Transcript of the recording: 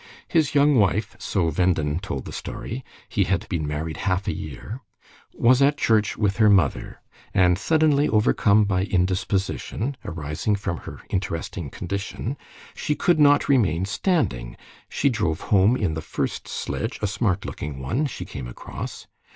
His young wife, so Venden told the story—he had been married half a year—was at church with her mother, and suddenly overcome by indisposition, arising from her interesting condition, she could not remain standing, she drove home in the first sledge, a smart looking one, she came across.